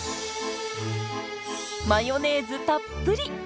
マヨネーズたっぷり！